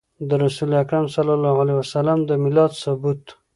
د رسول اکرم صلی الله عليه وسلم د ميلاد ثبوت